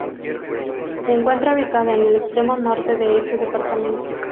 Se encuentra ubicada en el extremo norte de este departamento.